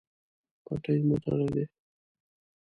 پټۍ مو تړلی؟